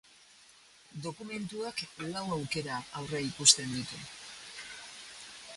Dokumentuak lau aukera aurreikusten ditu.